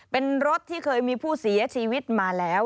เป็นรถที่เคยมีผู้เสียชีวิตมาแล้ว